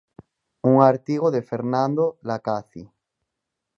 Un artigo de Fernando Lacaci.